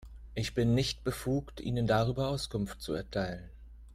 Ich bin nicht befugt, Ihnen darüber Auskunft zu erteilen.